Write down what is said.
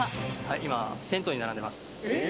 今、銭湯に並んでます。